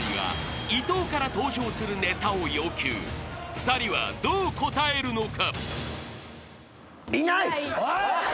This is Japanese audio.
［２人はどう応えるのか？］